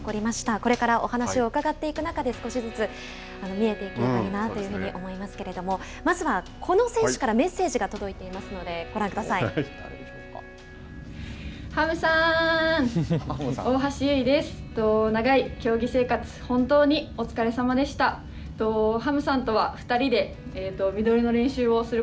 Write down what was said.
これからお話を伺っていく中で少しずつ見えていけばいいなと思いますけれどもまずは、この選手からメッセージが届いていますのでご覧ください。というメッセージですがいかがですか。